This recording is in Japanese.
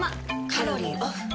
カロリーオフ。